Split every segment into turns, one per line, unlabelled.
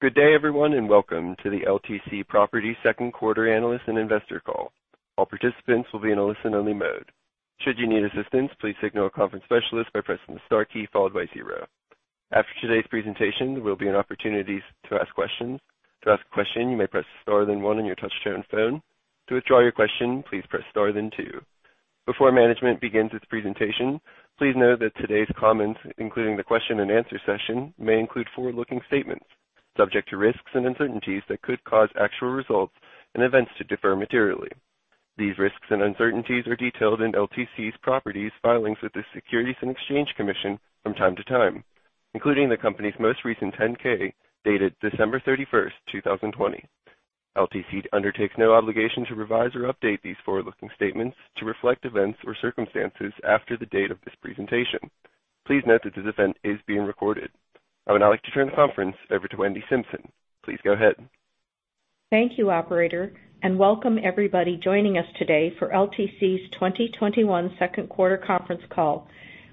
Before management begins its presentation, please note that today's comments, including the question-and-answer session, may include forward-looking statements subject to risks and uncertainties that could cause actual results and events to differ materially. These risks and uncertainties are detailed in LTC Properties' filings with the Securities and Exchange Commission from time to time, including the company's most recent 10-K dated December 31st, 2020. LTC undertakes no obligation to revise or update these forward-looking statements to reflect events or circumstances after the date of this presentation. Please note that this event is being recorded. I would now like to turn the conference over to Wendy Simpson. Please go ahead.
Thank you, operator, and welcome everybody joining us today for LTC's 2021 second quarter conference call.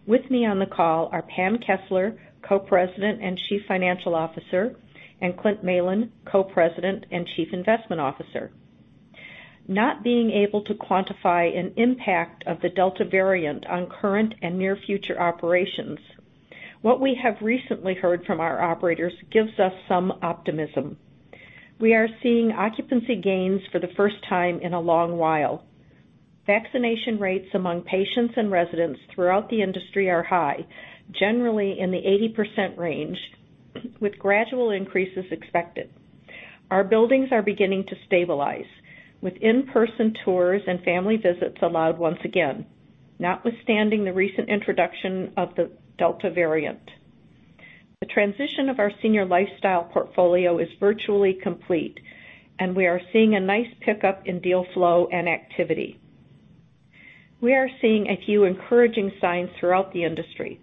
With me on the call are Pam Kessler, Co-president and Chief Financial Officer, and Clint Malin, Co-president and Chief Investment Officer. Not being able to quantify an impact of the Delta variant on current and near future operations, what we have recently heard from our operators gives us some optimism. We are seeing occupancy gains for the first time in a long while. Vaccination rates among patients and residents throughout the industry are high, generally in the 80% range, with gradual increases expected. Our buildings are beginning to stabilize with in-person tours and family visits allowed once again, notwithstanding the recent introduction of the Delta variant. The transition of our Senior Lifestyle portfolio is virtually complete, and we are seeing a nice pickup in deal flow and activity. We are seeing a few encouraging signs throughout the industry.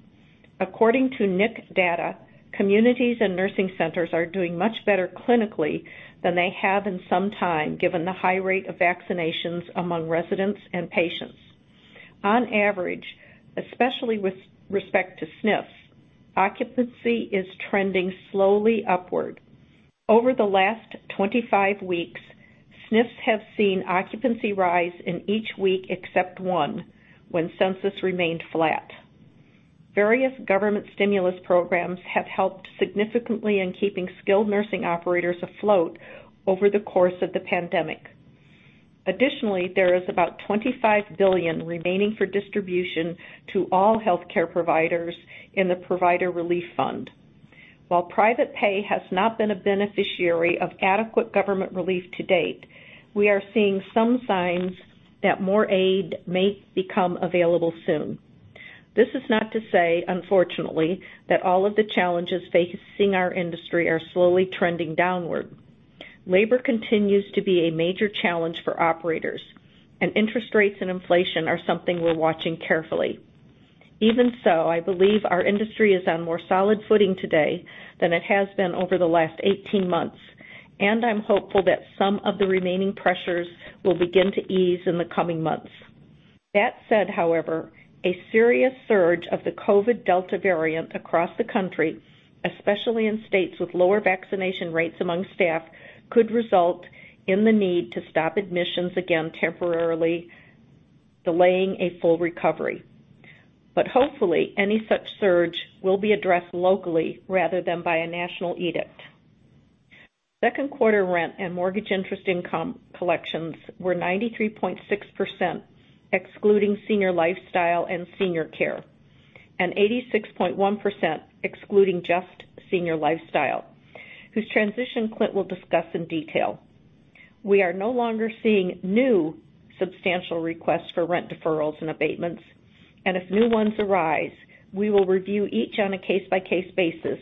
According to NIC data, communities and nursing centers are doing much better clinically than they have in some time, given the high rate of vaccinations among residents and patients. On average, especially with respect to SNFs, occupancy is trending slowly upward. Over the last 25 weeks, SNFs have seen occupancy rise in each week except one, when census remained flat. Various government stimulus programs have helped significantly in keeping skilled nursing operators afloat over the course of the pandemic. Additionally, there is about $25 billion remaining for distribution to all health care providers in the Provider Relief Fund. While private pay has not been a beneficiary of adequate government relief to date, we are seeing some signs that more aid may become available soon. This is not to say, unfortunately, that all of the challenges facing our industry are slowly trending downward. Labor continues to be a major challenge for operators, and interest rates and inflation are something we're watching carefully. Even so, I believe our industry is on more solid footing today than it has been over the last 18 months, and I'm hopeful that some of the remaining pressures will begin to ease in the coming months. That said, however, a serious surge of the COVID Delta variant across the country, especially in states with lower vaccination rates among staff, could result in the need to stop admissions again temporarily, delaying a full recovery. Hopefully, any such surge will be addressed locally rather than by a national edict. Second quarter rent and mortgage interest income collections were 93.6%, excluding Senior Lifestyle and Senior Care Centers, and 86.1% excluding just Senior Lifestyle, whose transition Clint will discuss in detail. We are no longer seeing new substantial requests for rent deferrals and abatements. If new ones arise, we will review each on a case-by-case basis,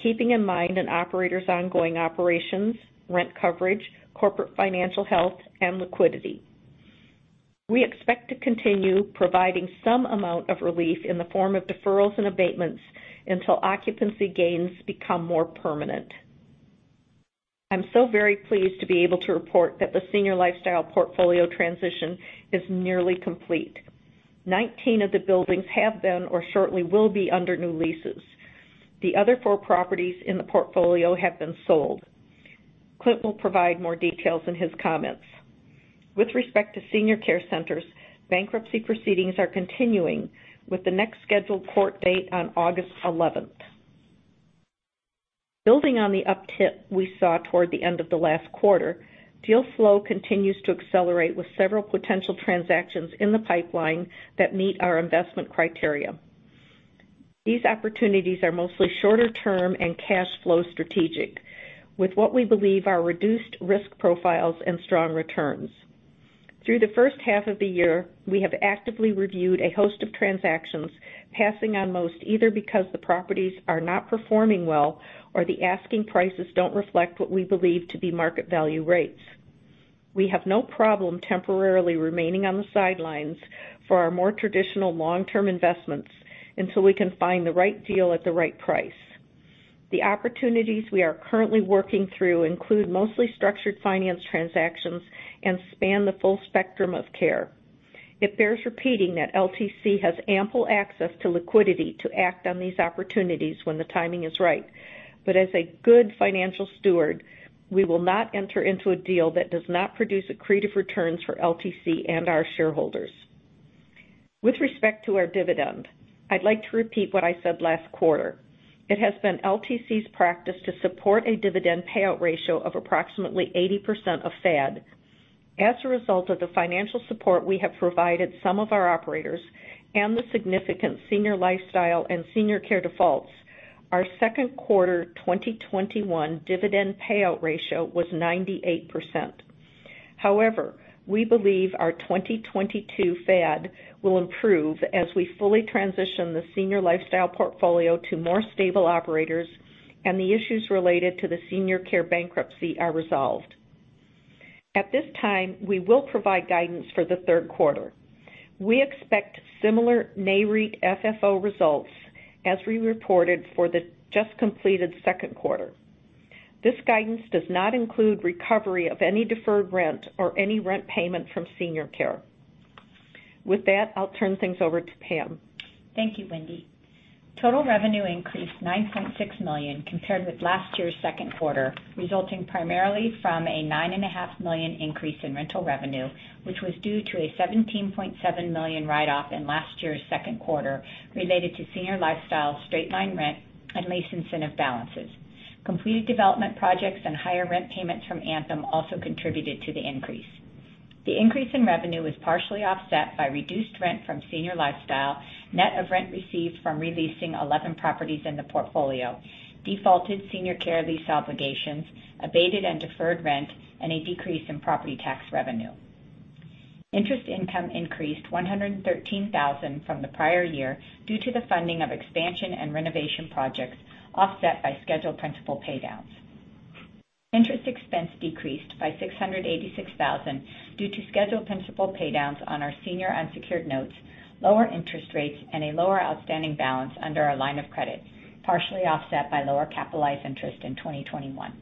keeping in mind an operator's ongoing operations, rent coverage, corporate financial health, and liquidity. We expect to continue providing some amount of relief in the form of deferrals and abatements until occupancy gains become more permanent. I'm so very pleased to be able to report that the Senior Lifestyle portfolio transition is nearly complete. 19 of the buildings have been or shortly will be under new leases. The other four properties in the portfolio have been sold. Clint will provide more details in his comments. With respect to Senior Care Centers, bankruptcy proceedings are continuing with the next scheduled court date on August 11. Building on the uptick we saw toward the end of the last quarter, deal flow continues to accelerate with several potential transactions in the pipeline that meet our investment criteria. These opportunities are mostly shorter term and cash flow strategic with what we believe are reduced risk profiles and strong returns. Through the first half of the year, we have actively reviewed a host of transactions, passing on most either because the properties are not performing well or the asking prices don't reflect what we believe to be market value rates. We have no problem temporarily remaining on the sidelines for our more traditional long-term investments until we can find the right deal at the right price. The opportunities we are currently working through include mostly structured finance transactions and span the full spectrum of care. It bears repeating that LTC has ample access to liquidity to act on these opportunities when the timing is right. As a good financial steward, we will not enter into a deal that does not produce accretive returns for LTC and our shareholders. With respect to our dividend, I'd like to repeat what I said last quarter. It has been LTC's practice to support a dividend payout ratio of approximately 80% of FAD. As a result of the financial support we have provided some of our operators and the significant Senior Lifestyle and Senior Care defaults, our second quarter 2021 dividend payout ratio was 98%. However, we believe our 2022 FAD will improve as we fully transition the Senior Lifestyle portfolio to more stable operators and the issues related to the Senior Care bankruptcy are resolved. At this time, we will provide guidance for the third quarter. We expect similar Nareit FFO results as we reported for the just completed second quarter. This guidance does not include recovery of any deferred rent or any rent payment from Senior Care. With that, I'll turn things over to Pam.
Thank you, Wendy. Total revenue increased to $9.6 million compared with last year's second quarter, resulting primarily from a $9.5 million increase in rental revenue, which was due to a $17.7 million write-off in last year's second quarter related to Senior Lifestyle straight-line rent and lease incentive balances. Completed development projects and higher rent payments from Anthem also contributed to the increase. The increase in revenue was partially offset by reduced rent from Senior Lifestyle, net of rent received from re-leasing 11 properties in the portfolio, defaulted Senior Care lease obligations, abated and deferred rent, and a decrease in property tax revenue. Interest income increased $113,000 from the prior year due to the funding of expansion and renovation projects, offset by scheduled principal paydowns. Interest expense decreased by $686,000 due to scheduled principal paydowns on our senior unsecured notes, lower interest rates, and a lower outstanding balance under our line of credit, partially offset by lower capitalized interest in 2021.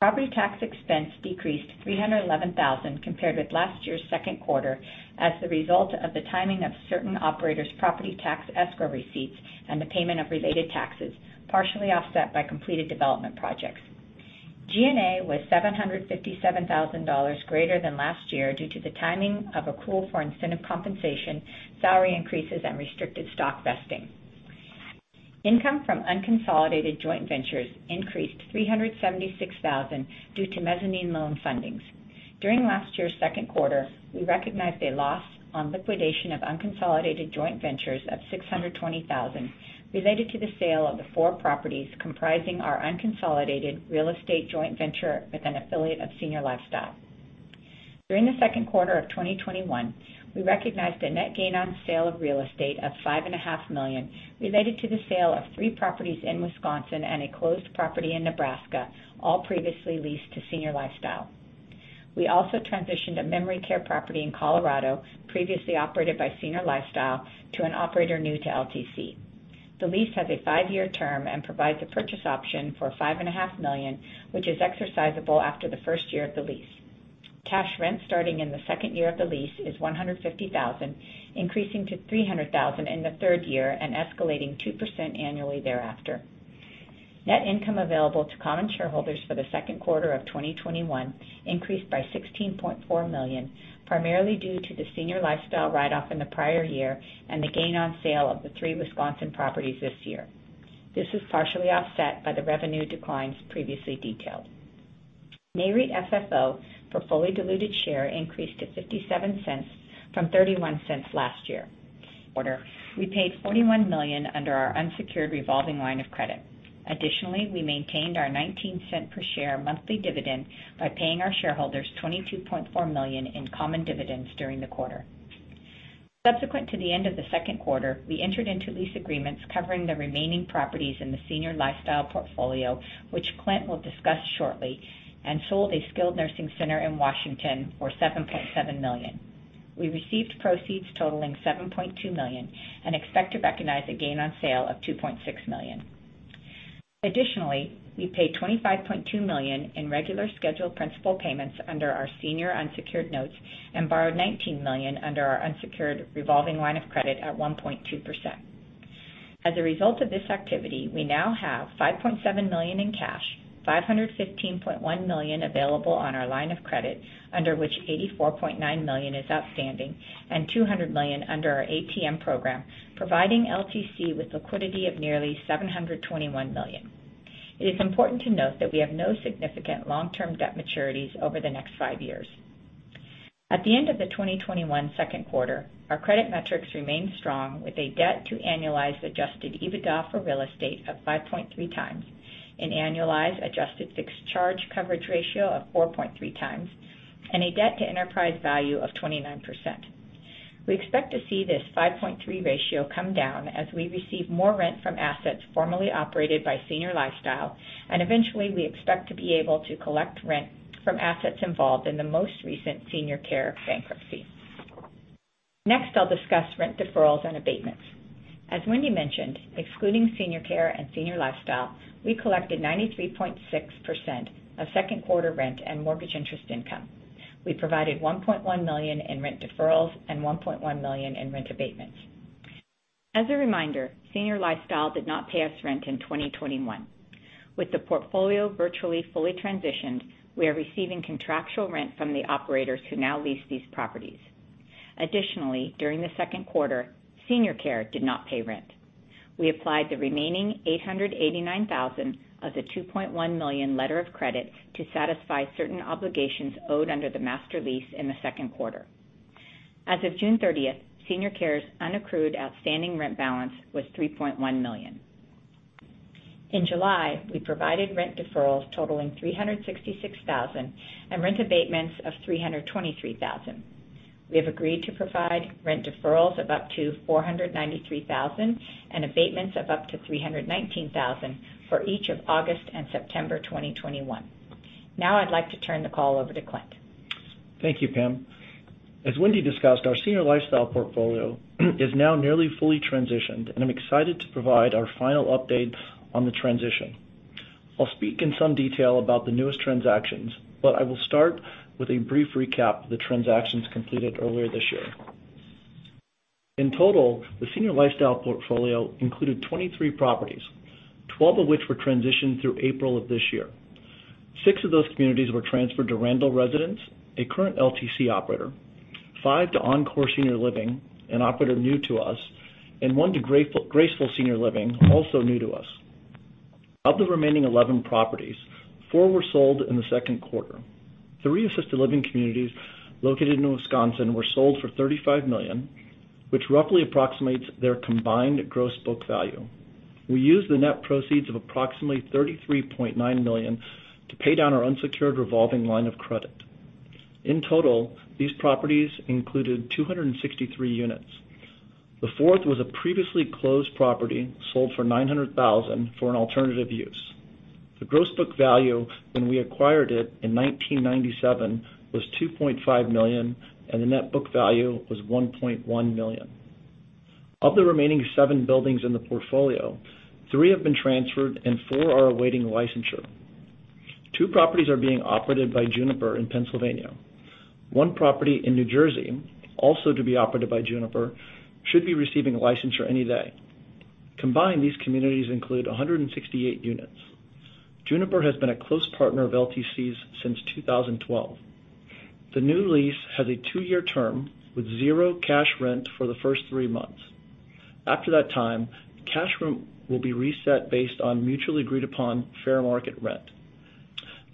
Property tax expense decreased $311,000 compared with last year's second quarter as the result of the timing of certain operators' property tax escrow receipts and the payment of related taxes, partially offset by completed development projects. G&A was $757,000 greater than last year due to the timing of accrual for incentive compensation, salary increases, and restricted stock vesting. Income from unconsolidated joint ventures increased $376,000 due to mezzanine loan fundings. During last year's second quarter, we recognized a loss on liquidation of unconsolidated joint ventures of $620,000 related to the sale of the four properties comprising our unconsolidated real estate joint venture with an affiliate of Senior Lifestyle. During the second quarter of 2021, we recognized a net gain on sale of real estate of $5.5 million related to the sale of three properties in Wisconsin and a closed property in Nebraska, all previously leased to Senior Lifestyle. We also transitioned a memory care property in Colorado, previously operated by Senior Lifestyle, to an operator new to LTC. The lease has a five year term and provides a purchase option for $5.5 million, which is exercisable after the first year of the lease. Cash rent starting in the second year of the lease is $150,000, increasing to $300,000 in the third year and escalating 2% annually thereafter. Net income available to common shareholders for the second quarter of 2021 increased by $16.4 million, primarily due to the Senior Lifestyle write-off in the prior year and the gain on sale of the three Wisconsin properties this year. This is partially offset by the revenue declines previously detailed. Nareit FFO for fully diluted share increased to $0.57 from $0.31 last year. We paid $41 million under our unsecured revolving line of credit. We maintained our $0.19 per share monthly dividend by paying our shareholders $22.4 million in common dividends during the quarter. Subsequent to the end of the second quarter, we entered into lease agreements covering the remaining properties in the Senior Lifestyle portfolio, which Clint will discuss shortly, and sold a skilled nursing center in Washington for $7.7 million. We received proceeds totaling $7.2 million and expect to recognize a gain on sale of $2.6 million. We paid $25.2 million in regular scheduled principal payments under our senior unsecured notes and borrowed $19 million under our unsecured revolving line of credit at 1.2%. As a result of this activity, we now have $5.7 million in cash, $515.1 million available on our line of credit under which $84.9 million is outstanding, and $200 million under our ATM program, providing LTC with liquidity of nearly $721 million. It is important to note that we have no significant long-term debt maturities over the next five years. At the end of the 2021 second quarter, our credit metrics remained strong with a debt to annualized Adjusted EBITDA for real estate of 5.3 times, an annualized adjusted fixed charge coverage ratio of 4.3 times, and a debt to enterprise value of 29%. We expect to see this 5.3 ratio come down as we receive more rent from assets formerly operated by Senior Lifestyle, and eventually, we expect to be able to collect rent from assets involved in the most recent Senior Care Centers bankruptcy. Next, I'll discuss rent deferrals and abatements. As Wendy mentioned, excluding Senior Care and Senior Lifestyle, we collected 93.6% of second quarter rent and mortgage interest income. We provided $1.1 million in rent deferrals and $1.1 million in rent abatements. As a reminder, Senior Lifestyle did not pay us rent in 2021. With the portfolio virtually fully transitioned, we are receiving contractual rent from the operators who now lease these properties. During the second quarter, Senior Care did not pay rent. We applied the remaining $889,000 of the $2.1 million letter of credit to satisfy certain obligations owed under the master lease in the second quarter. As of June 30th, Senior Care's unaccrued outstanding rent balance was $3.1 million. In July, we provided rent deferrals totaling $366,000 and rent abatements of $323,000. We have agreed to provide rent deferrals of up to $493,000 and abatements of up to $319,000 for each of August and September 2021. I'd like to turn the call over to Clint.
Thank you, Pam. As Wendy discussed, our Senior Lifestyle portfolio is now nearly fully transitioned, and I'm excited to provide our final update on the transition. I'll speak in some detail about the newest transactions, but I will start with a brief recap of the transactions completed earlier this year. In total, the Senior Lifestyle portfolio included 23 properties, 12 of which were transitioned through April of this year. Six of those communities were transferred to Randall Residence, a current LTC operator, five to Encore Senior Living, an operator new to us, and one to Graceful Senior Living, also new to us. Of the remaining 11 properties, four were sold in the second quarter. Three assisted living communities located in Wisconsin were sold for $35 million, which roughly approximates their combined gross book value. We used the net proceeds of approximately $33.9 million to pay down our unsecured revolving line of credit. In total, these properties included 263 units. The fourth was a previously closed property, sold for $900,000 for an alternative use. The gross book value when we acquired it in 1997 was $2.5 million, and the net book value was $1.1 million. Of the remaining seven buildings in the portfolio, three have been transferred and four are awaiting licensure. Two properties are being operated by Juniper in Pennsylvania. One property in New Jersey, also to be operated by Juniper, should be receiving a licensure any day. Combined, these communities include 168 units. Juniper has been a close partner of LTC's since 2012. The new lease has a two-year term with zero cash rent for the first three months. After that time, cash rent will be reset based on mutually agreed-upon fair market rent.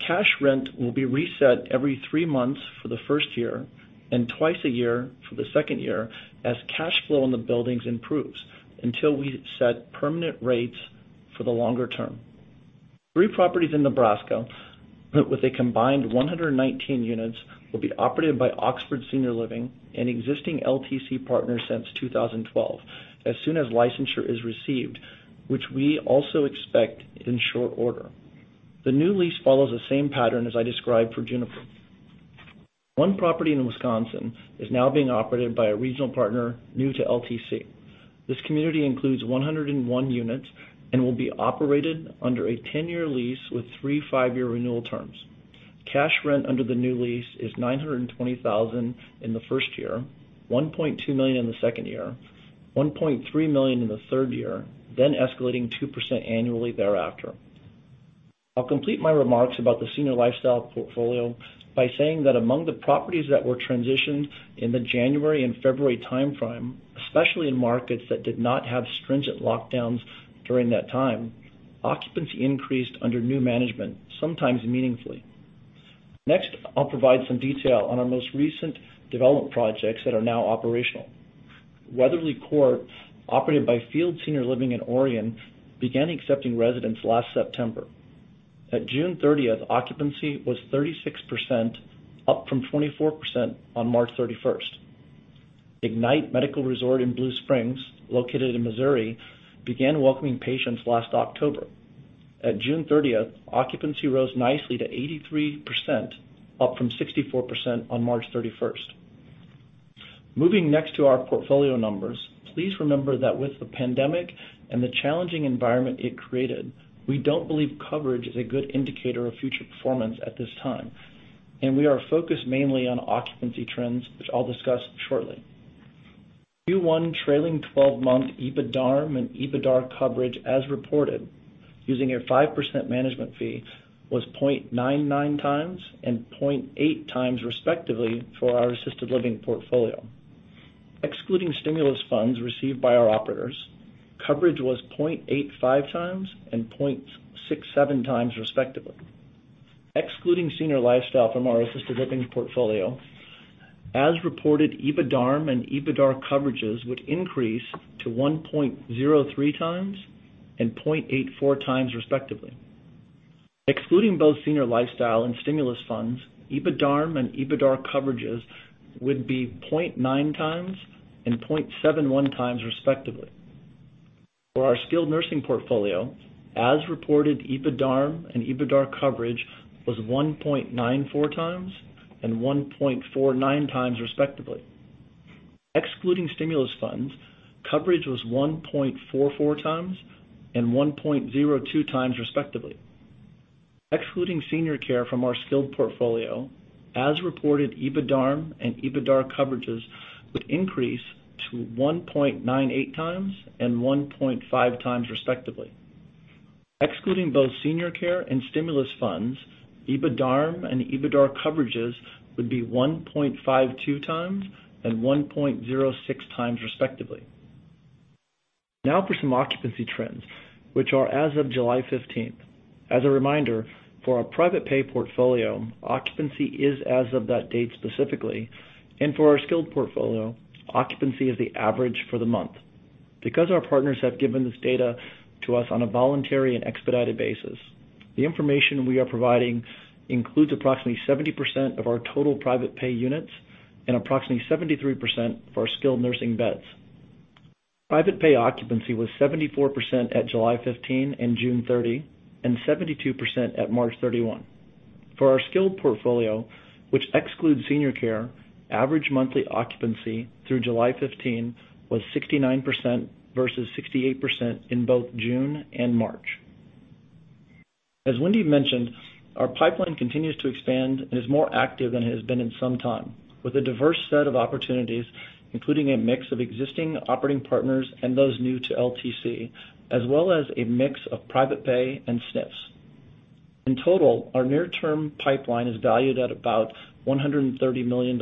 Cash rent will be reset every three months for the first year, and twice a year for the second year as cash flow in the buildings improves, until we set permanent rates for the longer term. Three properties in Nebraska with a combined 119 units will be operated by Oxford Senior Living, an existing LTC partner since 2012, as soon as licensure is received, which we also expect in short order. The new lease follows the same pattern as I described for Juniper. One property in Wisconsin is now being operated by a regional partner new to LTC. This community includes 101 units and will be operated under a 10-year lease with three, five year renewal terms. Cash rent under the new lease is $920,000 in the first year, $1.2 million in the second year, $1.3 million in the third year, then escalating 2% annually thereafter. I'll complete my remarks about the Senior Lifestyle portfolio by saying that among the properties that were transitioned in the January and February timeframe, especially in markets that did not have stringent lockdowns during that time, occupancy increased under new management, sometimes meaningfully. Next, I'll provide some detail on our most recent development projects that are now operational. Weatherly Court, operated by Field Senior Living in Oregon, began accepting residents last September. At June 30th, occupancy was 36%, up from 24% on March 31st. Ignite Medical Resort in Blue Springs, located in Missouri, began welcoming patients last October. At June 30th, occupancy rose nicely to 83%, up from 64% on March 31st. Moving next to our portfolio numbers. Please remember that with the pandemic and the challenging environment it created, we don't believe coverage is a good indicator of future performance at this time, and we are focused mainly on occupancy trends, which I'll discuss shortly. Q1 trailing 12-month EBITDARM and EBITDA coverage as reported using a 5% management fee was 0.99 times and 0.8 times respectively for our assisted living portfolio. Excluding stimulus funds received by our operators, coverage was 0.85 times and 0.67 times respectively. Excluding Senior Lifestyle from our assisted living portfolio, as reported, EBITDARM and EBITDA coverages would increase to 1.03 times and 0.84 times respectively. Excluding both Senior Lifestyle and stimulus funds, EBITDARM and EBITDA coverages would be 0.9 times and 0.71 times respectively. For our skilled nursing portfolio, as reported, EBITDARM and EBITDAR coverage was 1.94 times and 1.49 times respectively. Excluding stimulus funds, coverage was 1.44 times and 1.02 times respectively. Excluding Senior Care Centers from our skilled portfolio, as reported, EBITDARM and EBITDAR coverages would increase to 1.98 times and 1.5 times respectively. Excluding both Senior Care Centers and stimulus funds, EBITDARM and EBITDAR coverages would be 1.52 times and 1.06 times respectively. For some occupancy trends, which are as of July 15th. As a reminder, for our private pay portfolio, occupancy is as of that date specifically, and for our skilled portfolio, occupancy is the average for the month. Because our partners have given this data to us on a voluntary and expedited basis, the information we are providing includes approximately 70% of our total private pay units and approximately 73% of our skilled nursing beds. Private pay occupancy was 74% at July 15 and June 30, and 72% at March 31. For our skilled portfolio, which excludes Senior Care Centers, average monthly occupancy through July 15 was 69% versus 68% in both June and March. As Wendy mentioned, our pipeline continues to expand and is more active than it has been in some time, with a diverse set of opportunities, including a mix of existing operating partners and those new to LTC, as well as a mix of private pay and SNFs. In total, our near-term pipeline is valued at about $130 million,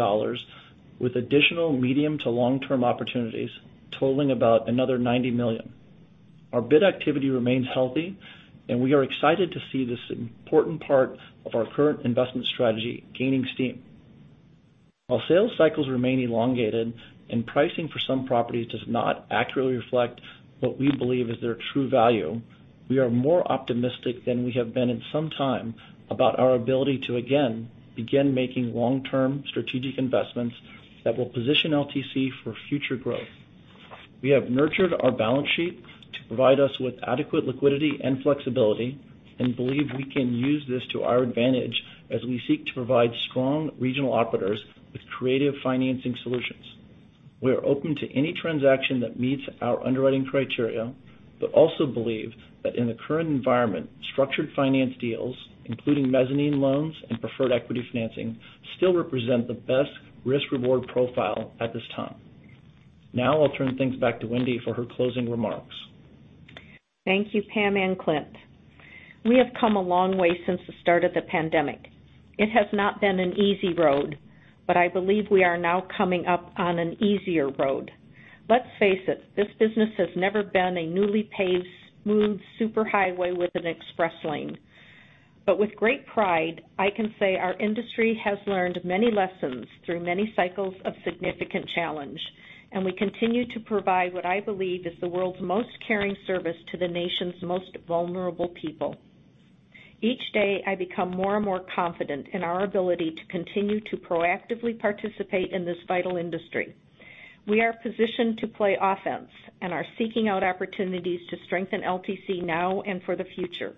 with additional medium to long-term opportunities totaling about another $90 million. Our bid activity remains healthy. We are excited to see this important part of our current investment strategy gaining steam. While sales cycles remain elongated and pricing for some properties does not accurately reflect what we believe is their true value, we are more optimistic than we have been in some time about our ability to again begin making long-term strategic investments that will position LTC for future growth. We have nurtured our balance sheet to provide us with adequate liquidity and flexibility and believe we can use this to our advantage as we seek to provide strong regional operators with creative financing solutions. We are open to any transaction that meets our underwriting criteria, believe that in the current environment, structured finance deals, including mezzanine loans and preferred equity financing, still represent the best risk/reward profile at this time. I'll turn things back to Wendy for her closing remarks.
Thank you, Pam and Clint. We have come a long way since the start of the pandemic. It has not been an easy road, but I believe we are now coming up on an easier road. Let's face it, this business has never been a newly paved, smooth superhighway with an express lane. With great pride, I can say our industry has learned many lessons through many cycles of significant challenge, and we continue to provide what I believe is the world's most caring service to the nation's most vulnerable people. Each day, I become more and more confident in our ability to continue to proactively participate in this vital industry. We are positioned to play offense and are seeking out opportunities to strengthen LTC now and for the future.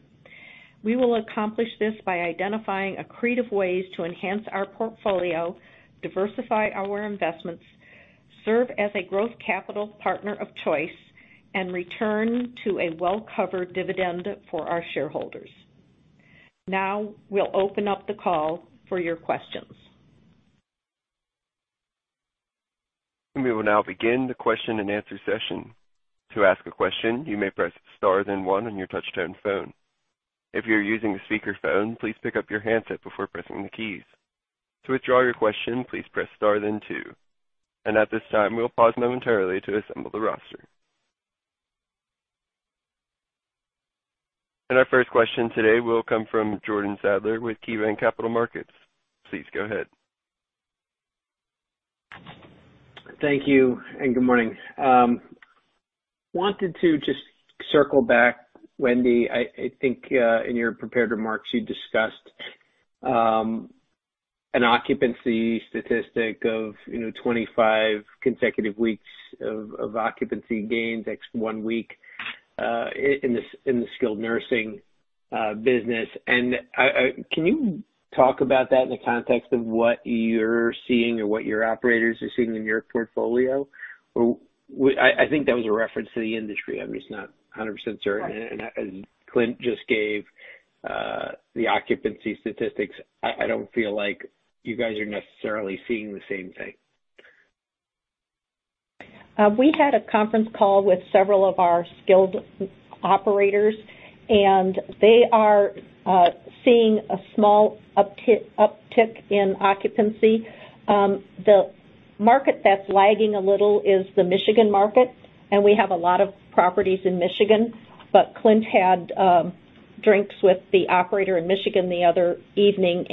We will accomplish this by identifying accretive ways to enhance our portfolio, diversify our investments, serve as a growth capital partner of choice, and return to a well-covered dividend for our shareholders. Now, we'll open up the call for your questions.
We will now begin the question-and-answer session. To ask a question you may press star then one on your touchtone phone. If you are using speaker phone please pick up the handset before pressing the key. To withdraw a question please press star then two. At this time pause momentarily to assemble the roster. On your Our first question today will come from Jordan Sadler with KeyBanc Capital Markets. Please go ahead.
Thank you, good morning. Wanted to just circle back, Wendy. I think in your prepared remarks, you discussed an occupancy statistic of 25 consecutive weeks of occupancy gains, X one week, in the skilled nursing. Can you talk about that in the context of what you're seeing or what your operators are seeing in your portfolio? I think that was a reference to the industry. I'm just not 100% certain. As Clint just gave the occupancy statistics, I don't feel like you guys are necessarily seeing the same thing.
We had a conference call with several of our skilled operators, they are seeing a small uptick in occupancy. The market that's lagging a little is the Michigan market, we have a lot of properties in Michigan. Clint had drinks with the operator in Michigan the other evening,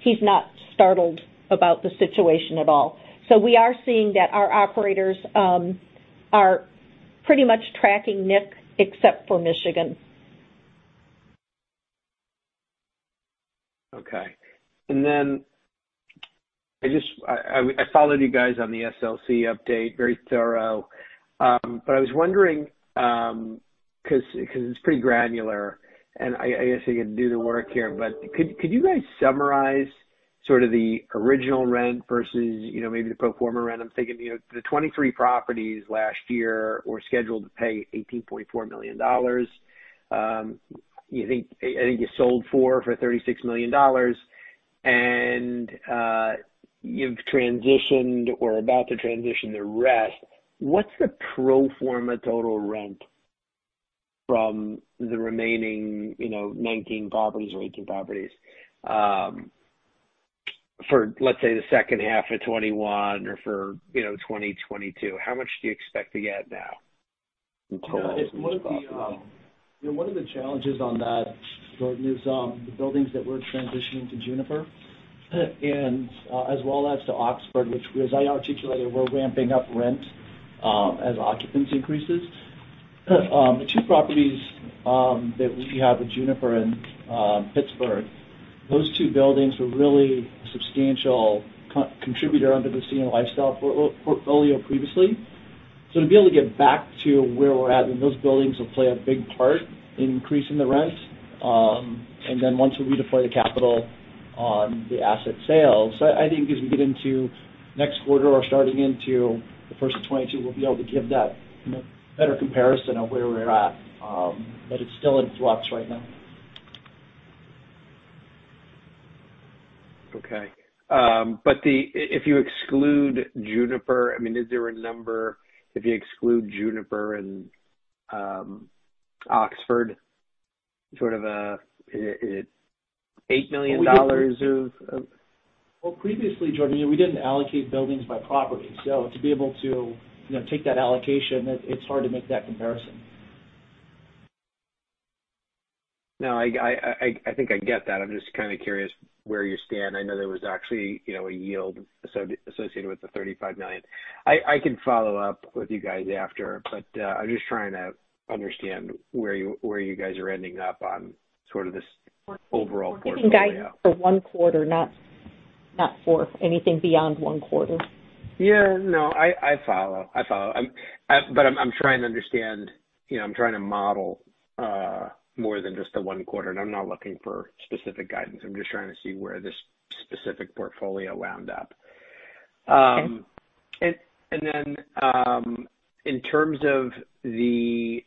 he's not startled about the situation at all. We are seeing that our operators are pretty much tracking NIC, except for Michigan.
Okay. I followed you guys on the SLC update, very thorough. I was wondering, because it's pretty granular, and I guess you can do the work here, but could you guys summarize sort of the original rent versus maybe the pro forma rent? I'm thinking, the 23 properties last year were scheduled to pay $18.4 million. I think you sold four for $36 million, and you've transitioned or are about to transition the rest. What's the pro forma total rent from the remaining 19 properties or 18 properties for, let's say, the second half of 2021 or for 2022? How much do you expect to get now in total from these properties?
One of the challenges on that, Jordan, is the buildings that we're transitioning to Juniper, as well as to Oxford, which, as I articulated, we're ramping up rent as occupants increases. The two properties that we have with Juniper in Pittsburgh, those two buildings were really a substantial contributor under the Senior Lifestyle portfolio previously. To be able to get back to where we're at, I mean, those buildings will play a big part in increasing the rent. Then once we redeploy the capital on the asset sales, I think as we get into next quarter or starting into the first of 2022, we'll be able to give that better comparison of where we're at. It's still in flux right now.
Okay. If you exclude Juniper and Oxford, sort of a $8 million of-
Well, previously, Jordan, we didn't allocate buildings by property. To be able to take that allocation, it's hard to make that comparison.
No, I think I get that. I'm just kind of curious where you stand. I know there was actually a yield associated with the $35 million. I can follow up with you guys after, but I'm just trying to understand where you guys are ending up on sort of this overall portfolio.
We're giving guidance for one quarter, not for anything beyond one quarter.
Yeah. No, I follow. I'm trying to understand, I'm trying to model more than just the one quarter, and I'm not looking for specific guidance. I'm just trying to see where this specific portfolio wound up.
Okay.
In terms of the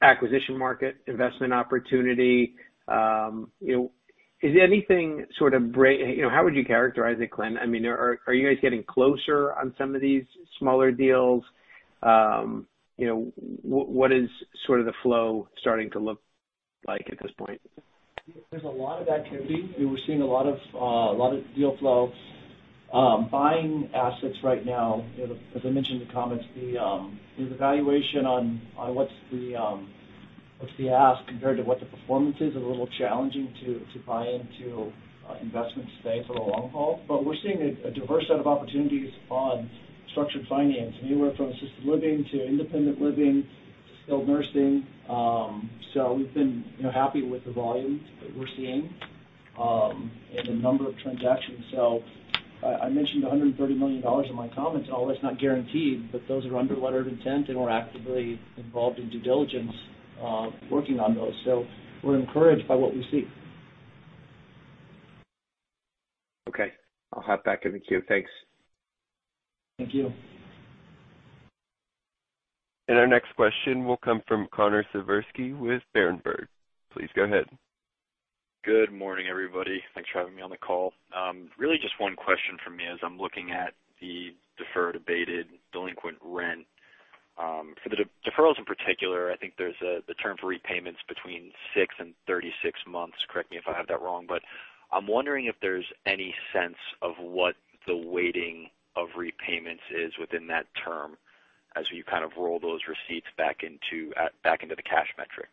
acquisition market investment opportunity, how would you characterize it, Clint? I mean, are you guys getting closer on some of these smaller deals? What is sort of the flow starting to look like at this point?
There's a lot of activity. We're seeing a lot of deal flow. Buying assets right now, as I mentioned in the comments, the valuation on what's the ask compared to what the performance is a little challenging to buy into investments today for the long haul. We're seeing a diverse set of opportunities on structured finance, anywhere from assisted living to independent living to skilled nursing. We've been happy with the volume that we're seeing and the number of transactions. I mentioned $130 million in my comments. All that's not guaranteed, but those are under letter of intent, and we're actively involved in due diligence working on those. We're encouraged by what we see.
Okay. I'll get back in the queue. Thanks.
Thank you.
Our next question will come from Connor Siversky with Berenberg. Please go ahead.
Good morning, everybody. Thanks for having me on the call. Really just one question from me as I'm looking at the deferred, abated, delinquent rent. For the deferrals in particular, I think there's the term for repayments between six and 36 months. Correct me if I have that wrong, but I'm wondering if there's any sense of what the weighting of repayments is within that term as you kind of roll those receipts back into the cash metrics.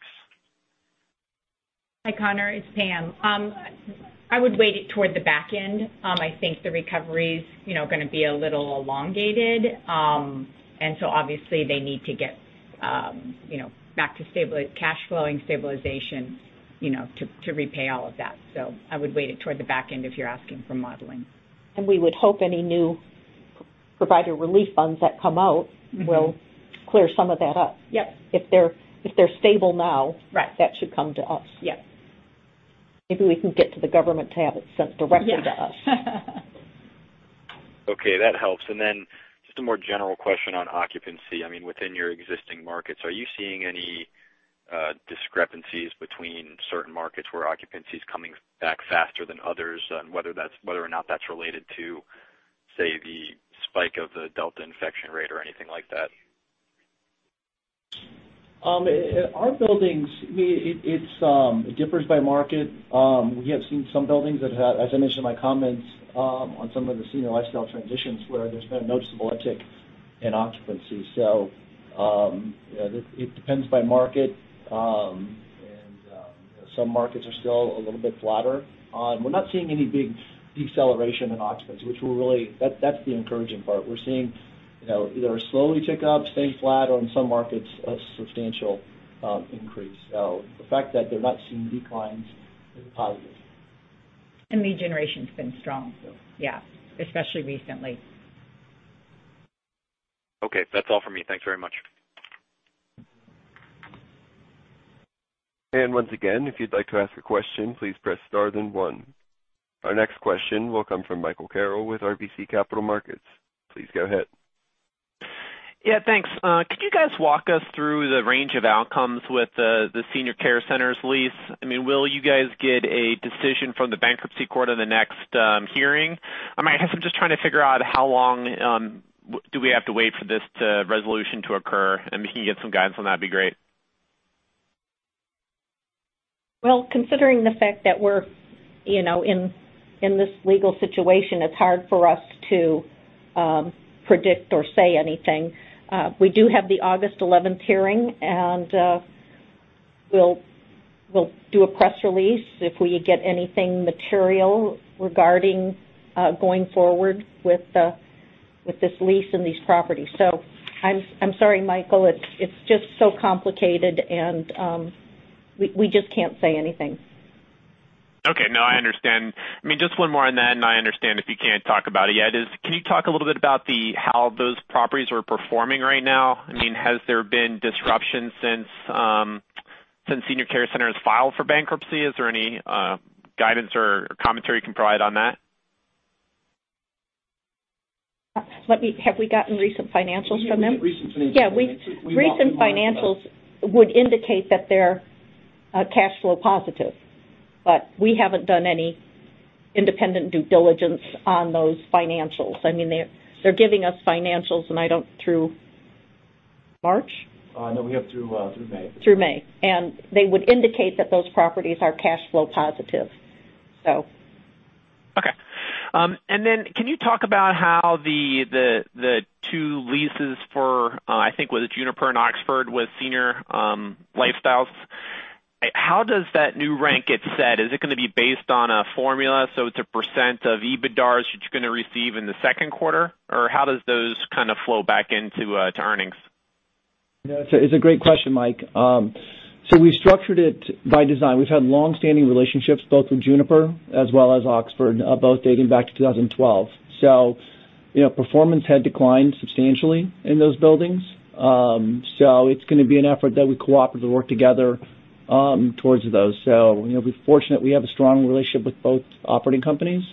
Hi, Connor, it's Pam. I would weight it toward the back end. I think the recovery's going to be a little elongated. obviously they need to get back to cash flowing stabilization to repay all of that. I would weight it toward the back end if you're asking for modeling.
We would hope any new Provider Relief Funds that come out, will clear some of that up.
Yep.
If they're stable now.
Right
That should come to us.
Yep.
Maybe we can get to the government to have it sent directly to us.
Yeah.
Okay, that helps. Just a more general question on occupancy. I mean, within your existing markets, are you seeing any discrepancies between certain markets where occupancy's coming back faster than others, and whether or not that's related to, say, the spike of the Delta infection rate or anything like that?
Our buildings, it differs by market. We have seen some buildings that have, as I mentioned in my comments, on some of the Senior Lifestyle transitions where there's been a noticeable uptick in occupancy. It depends by market. Some markets are still a little bit flatter. We're not seeing any big deceleration in occupancy, that's the encouraging part. We're seeing either slowly tick up, staying flat, or in some markets, a substantial increase. The fact that they're not seeing declines is positive.
Lead generation's been strong. Yeah, especially recently.
Okay. That's all for me. Thanks very much.
Once again, if you'd like to ask a question, please press star then one. Our next question will come from Michael Carroll with RBC Capital Markets. Please go ahead.
Thanks. Could you guys walk us through the range of outcomes with the Senior Care Centers lease? Will you guys get a decision from the bankruptcy court on the next hearing? I guess I'm just trying to figure out how long do we have to wait for this resolution to occur? If you can get some guidance on that, it'd be great.
Well, considering the fact that we're in this legal situation, it's hard for us to predict or say anything. We do have the August 11th hearing, and we'll do a press release if we get anything material regarding going forward with this lease and these properties. I'm sorry, Michael. It's just so complicated, and we just can't say anything.
Okay. No, I understand. Just one more on that, and I understand if you can't talk about it yet, is can you talk a little bit about how those properties are performing right now? Has there been disruption since Senior Care Centers has filed for bankruptcy? Is there any guidance or commentary you can provide on that?
Have we gotten recent financials from them?
We have recent financials.
Yeah. Recent financials would indicate that they're cash flow positive, but we haven't done any independent due diligence on those financials. They're giving us financials. Through March?
No, we have through May.
Through May. They would indicate that those properties are cash flow positive.
Okay. Can you talk about how the two leases for, I think it was Juniper and Oxford with Senior Lifestyle, how does that new rent get set? Is it going to be based on a formula, so it's a percent of EBITDA that you're going to receive in the second quarter? Or how does those kind of flow back into earnings?
It's a great question, Michael. We've structured it by design. We've had long-standing relationships both with Juniper as well as Oxford Senior Living, both dating back to 2012. Performance had declined substantially in those buildings. It's going to be an effort that we cooperatively work together towards those. We're fortunate we have a strong relationship with both operating companies.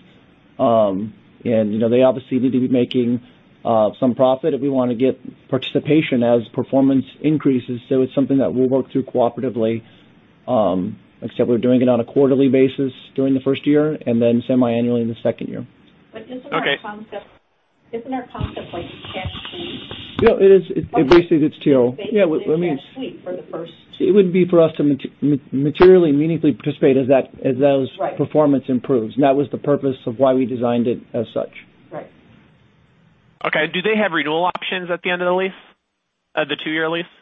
They obviously need to be making some profit if we want to get participation as performance increases. It's something that we'll work through cooperatively, except we're doing it on a quarterly basis during the first year and then semi-annually in the second year.
Okay.
Isn't our concept like cash sweep?
Yeah, it is. Basically, it's.
They cash sweep for the first-
It would be for us to materially and meaningfully participate as those-
Right
Performance improves. That was the purpose of why we designed it as such.
Right.
Okay. Do they have renewal options at the end of the lease, the two-year lease?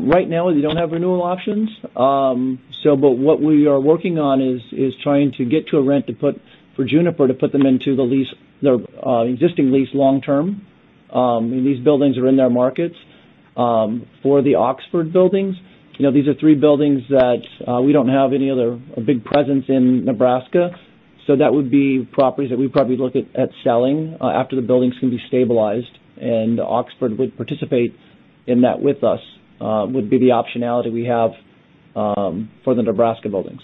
Right now, they don't have renewal options. What we are working on is trying to get to a rent for Juniper to put them into their existing lease long term. These buildings are in their markets. For the Oxford buildings, these are three buildings that we don't have any other big presence in Nebraska. That would be properties that we probably look at selling after the buildings can be stabilized, and Oxford would participate in that with us, would be the optionality we have for the Nebraska buildings.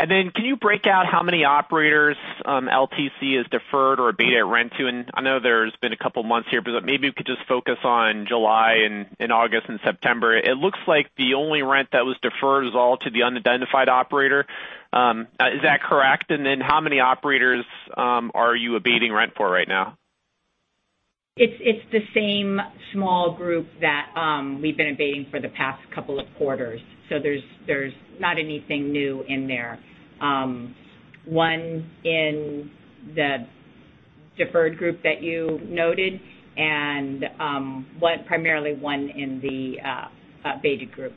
Okay. Then can you break out how many operators LTC has deferred or abated rent to? I know there's been a couple of months here, but maybe we could just focus on July and August and September. It looks like the only rent that was deferred is all to the unidentified operator. Is that correct? Then how many operators are you abating rent for right now?
It's the same small group that we've been abating for the past couple of quarters. There's not anything new in there. One in the deferred group that you noted and primarily one in the abated group.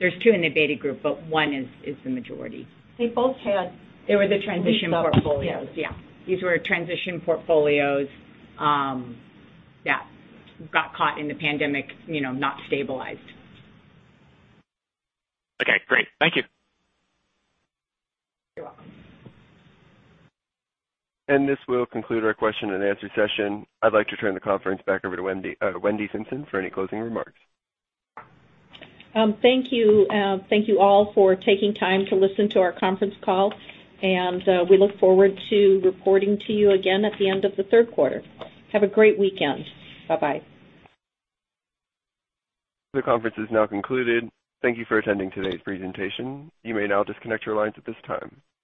There's two in the abated group, one is the majority.
They both had-
They were the transition portfolios. Yeah. These were transition portfolios that got caught in the pandemic, not stabilized.
Okay, great. Thank you.
You're welcome.
This will conclude our question-and-answer session. I'd like to turn the conference back over to Wendy Simpson for any closing remarks.
Thank you. Thank you all for taking time to listen to our conference call, and we look forward to reporting to you again at the end of the third quarter. Have a great weekend. Bye-bye.
The conference is now concluded. Thank you for attending today's presentation. You may now disconnect your lines at this time.